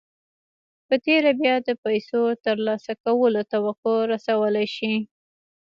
په تېره بيا د پيسو ترلاسه کولو توقع رسولای شئ.